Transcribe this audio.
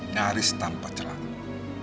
nyaris tanpa celaka